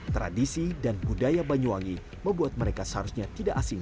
tradisi dan budaya banyuwangi membuat mereka seharusnya tidak asing